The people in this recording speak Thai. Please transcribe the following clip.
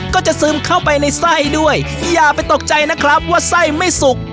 ซึมเข้าไปในไส้ด้วยอย่าไปตกใจนะครับว่าไส้ไม่สุก